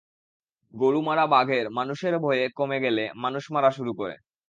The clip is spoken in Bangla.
গরু মারা বাঘের মানুষের ভয় কমে গেলে মানুষ মারা শুরু করে।